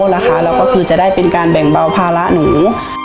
แล้วก็คือจะได้เป็นการแบ่งเบาภาระหนู